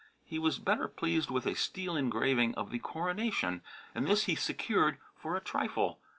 He was better pleased with a steel engraving of the coronation, and this he secured for a trifle.